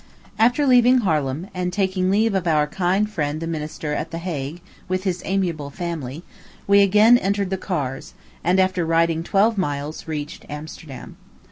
After leaving Harlem, and taking leave of our kind friend the minister at the Hague, with his amiable family, we again entered the cars, and, after riding twelve miles, reached Amsterdam.